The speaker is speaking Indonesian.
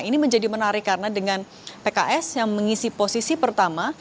ini menjadi menarik karena dengan pks yang mengisi posisi pertama